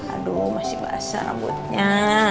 aduh masih basah rambutnya